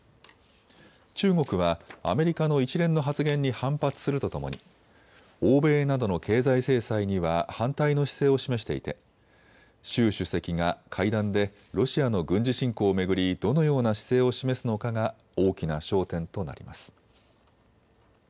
中国はアメリカの一連の発言に反発するとともに欧米などの経済制裁には反対の姿勢を示していて習主席が会談でロシアの軍事侵攻を巡りどのような姿勢を示すのかが大きな焦点となります。